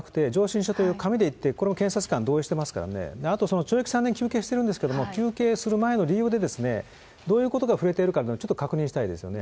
上申書ではなく、これも検察官、同意してますからね、あと懲役３年求刑してるんですけれども、求刑する前の理由で、どういうことが触れているかということを、ちょっと確認したいですよね。